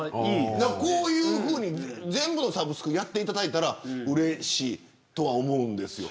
こういうふうに全部のサブスクやっていただいたらうれしいと思うんですよ。